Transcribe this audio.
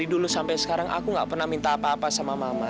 dulu sampai sekarang aku gak pernah minta apa apa sama mama